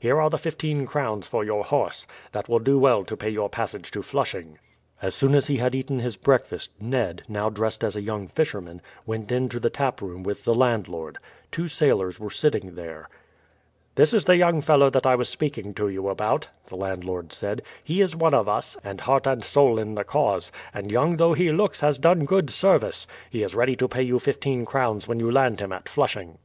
Here are the fifteen crowns for your horse. That will do well to pay your passage to Flushing." As soon as he had eaten his breakfast, Ned, now dressed as a young fisherman, went into the taproom with the landlord. Two sailors were sitting there. "This is the young fellow that I was speaking to you about," the landlord said. "He is one of us, and heart and soul in the cause, and young though he looks has done good service. He is ready to pay you fifteen crowns when you land him at Flushing."